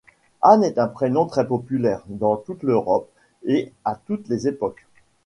Anne est un prénom très populaire dans toute l'Europe et à toutes les époques.